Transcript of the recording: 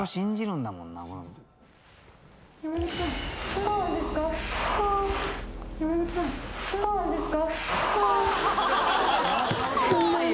どうしたんですか？